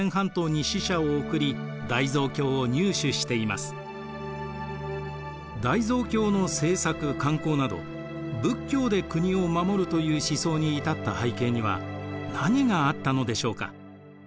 また日本でも大蔵経の製作・刊行など仏教で国を護るという思想に至った背景には何があったのでしょうか？